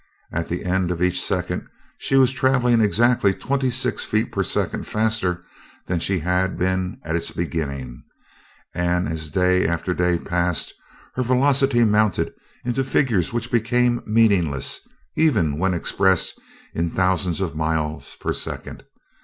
At the end of each second she was traveling exactly twenty six feet per second faster than she had been at its beginning; and as day after day passed, her velocity mounted into figures which became meaningless, even when expressed in thousands of miles per second.